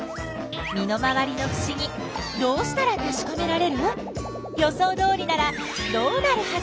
身の回りのふしぎどうしたらたしかめられる？予想どおりならどうなるはず？